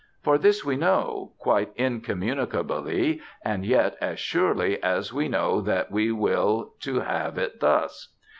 For this we know, quite incommunicably, and yet as surely as we know that we will to have it thus.